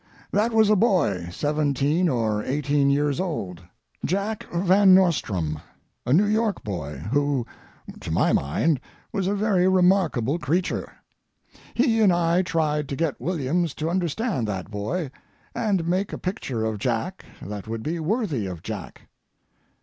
That was a boy seventeen or eighteen years old—Jack Van Nostrand—a New York boy, who, to my mind, was a very remarkable creature. He and I tried to get Williams to understand that boy, and make a picture of Jack that would be worthy of Jack.